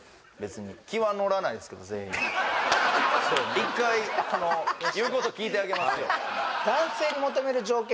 １回言うこと聞いてあげますよ